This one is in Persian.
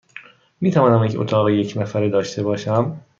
می توانم یک اتاق یک نفره داشته باشم؟